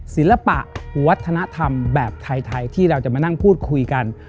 ศิลปะวัฒนธรรมแบบไทยที่เราจะมานั่งพูดคุยกัน